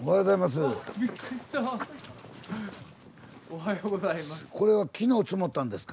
おはようございます。